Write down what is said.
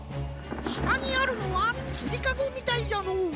したにあるのはつりかごみたいじゃのう。